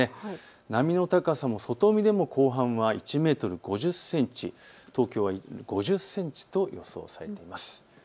波の高さも外海でも後半は１メートル５０センチ東京は５０センチと予想されています。